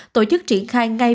tổ chức triển khai ngay bình luận